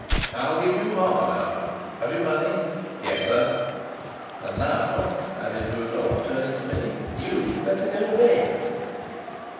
"I'll give you half an hour. Have you money?" "Yes, sir." "And now," added Rudolf, turning to me, "you'd better go to bed."